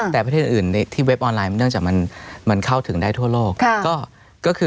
แต่ประเทศอื่นที่เว็บออนไลน์เนื่องจากมันเข้าถึงได้ทั่วโลก